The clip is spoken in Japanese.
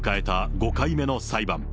５回目の裁判。